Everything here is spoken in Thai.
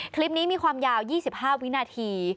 คลิปนี้มีความยาว๒๕วินาที